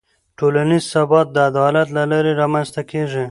ټولنیز ثبات د عدالت له لارې رامنځته کېږي.